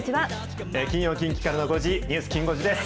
金曜、近畿からの５時、ニュースきん５時です。